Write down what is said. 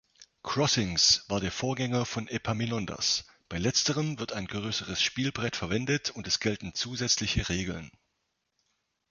„Crossings“ war der Vorgänger von „Epaminondas“. Bei Letzterem wird ein größeres Spielbrett verwendet und es gelten zusätzliche Regeln.